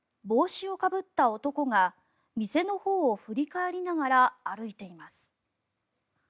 帽子をかぶった男が店のほうを振り返りながら歩いています。